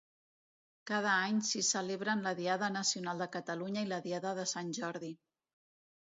Cada any s'hi celebren la Diada Nacional de Catalunya i la Diada de Sant Jordi.